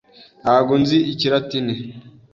Ntabwo nzi Ikilatini.